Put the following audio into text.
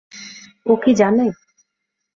ও কী জানে?